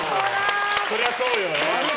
そりゃそうよ！